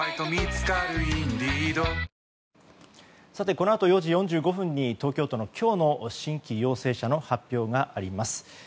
このあと４時４５分に東京都の今日の新規陽性者の発表があります。